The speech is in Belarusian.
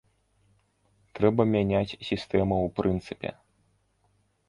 Трэба мяняць сістэму ў прынцыпе.